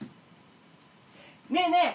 ねえねえ